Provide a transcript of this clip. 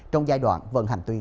trong giai đoạn vận hành tuyến